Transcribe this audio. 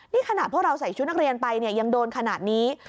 นี่ขนาดพวกเราใส่ชุดนักเรียนไปเนี่ยยังโดนขนาดนี้